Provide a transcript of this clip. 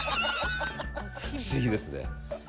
不思議ですね。